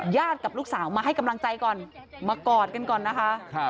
กับลูกสาวมาให้กำลังใจก่อนมากอดกันก่อนนะคะ